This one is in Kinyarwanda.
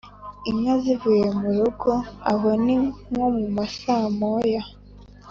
inka zivuye mu rugo (aho ni nko mu masaa moya)